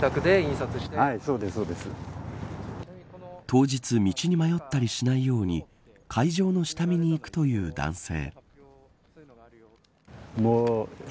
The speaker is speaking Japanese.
当日道に迷ったりしないように会場の下見に行くという男性。